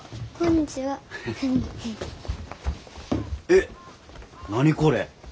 えっ何これ。